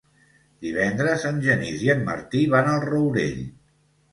Divendres en Genís i en Martí van al Rourell.